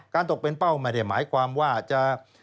ตกเป็นเป้าไม่ได้หมายความว่าจะ